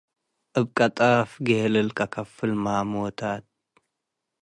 እብ ቀጠፍ ጌልል - ከከፍል ማሞታት